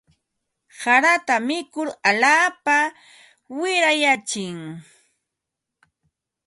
Harata mikur alaapa wirayantsik.